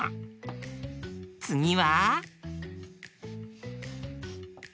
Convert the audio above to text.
つぎは？